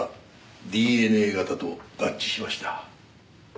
ＤＮＡ型と合致しました。